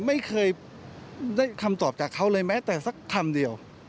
ไม่เคยได้คำตอบจากเขาเลยแม้แต่สักคำเดียว